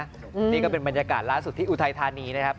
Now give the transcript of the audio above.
นี่ก็เป็นบรรยากาศล่าสุดที่อุทัยธานีนะครับ